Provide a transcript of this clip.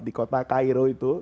di kota cairo itu